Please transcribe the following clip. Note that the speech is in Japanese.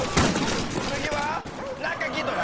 次は中ギドラ。